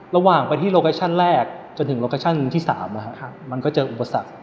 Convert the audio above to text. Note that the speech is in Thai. ระหว่างไปที่โลเคชั่นแรกจนถึงโลเคชั่นที่๓มันก็เจออุปสรรค